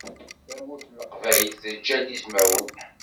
Tamurt n leqbayel teǧǧa-d izmawen.